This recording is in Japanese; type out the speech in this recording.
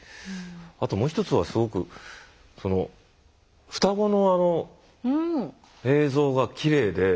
あともう一つはすごくその双子のあの映像がきれいで。